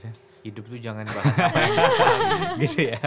hidup tuh jangan bahasa